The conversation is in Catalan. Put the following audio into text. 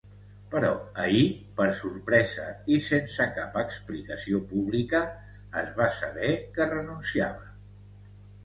Però ahir, per sorpresa i sense cap explicació pública, es va saber que renunciava.